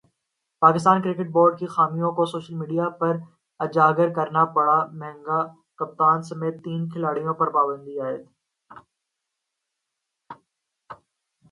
Pakistan cricket board کی خامیوں کو سوشل میڈیا پر اجاگر کرنا پڑا مہنگا ، کپتان سمیت تین کھلاڑیوں پر پابندی عائد